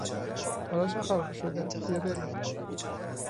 حالا چه خبر شده! بیا بریم!